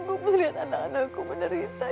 ibu tau karena lainnya yang menerita